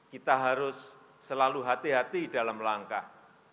kita harus selalu hati hati dalam langkah